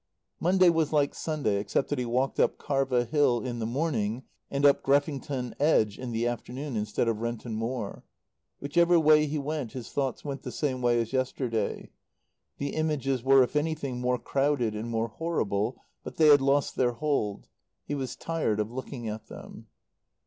Monday was like Sunday, except that he walked up Karva Hill in the morning and up Greffington Edge in the afternoon, instead of Renton Moor. Whichever way he went his thoughts went the same way as yesterday. The images were, if anything, more crowded and more horrible; but they had lost their hold. He was tired of looking at them.